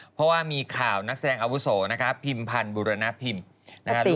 เพราะว่ามีข่าวนักแสดงอวุโสโอพิมพันธ์บุรณพิมส์